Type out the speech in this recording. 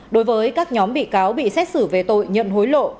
đối với các nhóm bị cáo bị xét xử về tội nhận hối lộ